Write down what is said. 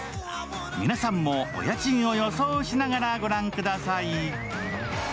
皆さんもお家賃を予想しながら御覧ください。